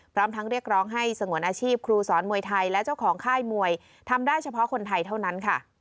พร้อมทั้งเรียกร้องให้สงวนอาชีพครูสอนมวยไทยและเจ้าของค่ายมวยทำได้เฉพาะคนไทยเท่านั้นค่ะ